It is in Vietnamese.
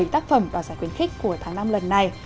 bảy tác phẩm đoạt giải khuyến khích của tháng năm lần này